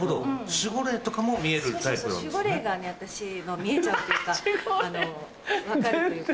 守護霊がね私見えちゃうっていうか分かるっていうか。